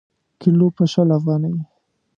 کیلـو په شل افغانۍ.